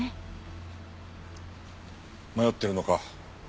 迷ってるのか？